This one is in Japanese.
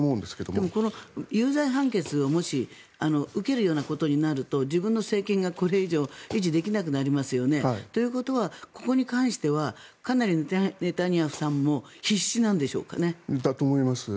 でもこの有罪判決をもし、受けるようなことになると自分の政権がこれ以上維持できなくなりますよね。ということは、ここに関してはかなりネタニヤフさんもだと思います。